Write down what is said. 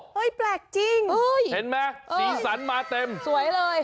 แปลกจริงเห็นไหมสีสันมาเต็มสวยเลย